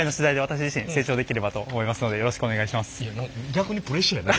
逆にプレッシャーやな。